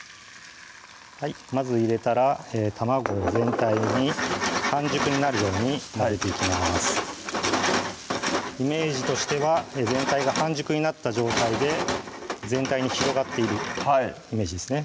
まず入れたら卵を全体に半熟になるように混ぜていきますイメージとしては全体が半熟になった状態で全体に広がっているイメージですね